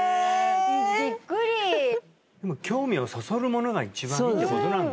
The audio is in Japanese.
びっくり興味をそそるものが一番いいってことなんだ